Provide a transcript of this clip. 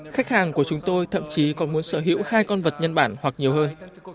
khách hàng của chúng tôi thậm chí còn muốn sở hữu hai con vật nhân bản hoặc nhiều hơn